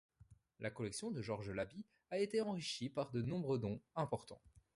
La collection de Georges Labit a été enrichie par de nombreux dons importants.